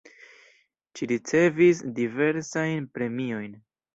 Ŝi ricevis diversajn premiojn.